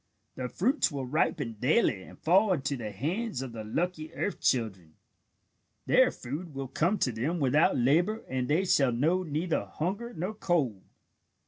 The fruits will ripen daily and fall into the hands of the lucky earth children. Their food will come to them without labour and they shall know neither hunger nor cold."